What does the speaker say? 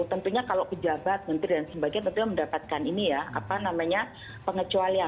tentunya kalau ke jabat menteri dan sebagainya tentunya mendapatkan ini ya apa namanya pengecualian